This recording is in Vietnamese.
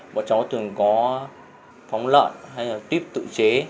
bọn cháu thường có phóng lợn hay là tuyếp tự chế